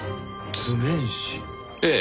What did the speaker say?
ええ。